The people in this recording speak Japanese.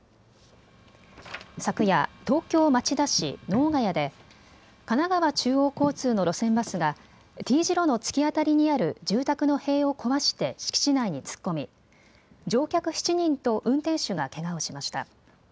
昨夜、東京町田市能ヶ谷で神奈川中央交通の路線バスがＴ字路の突き当たりにある住宅の塀を壊して敷地内に突っ込み乗客７人と運転手がけがをしました。